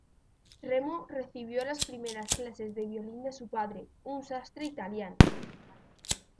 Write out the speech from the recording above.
Remo recibió las primeras clases de violín de su padre, un sastre italiano.